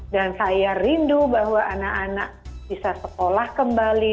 saya rindu bahwa anak anak bisa sekolah kembali